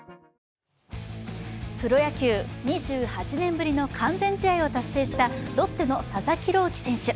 プロ野球２８年ぶりの完全試合を達成したロッテの佐々木朗希選手。